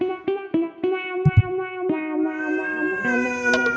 saat tercapai timah punut di p yuankuota nya itu masih cukup banyak yang kutip